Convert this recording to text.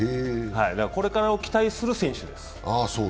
これからを期待する選手です。